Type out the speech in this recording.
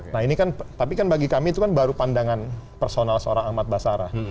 nah ini kan tapi kan bagi kami itu kan baru pandangan personal seorang ahmad basarah